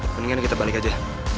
mendingan kita balik aja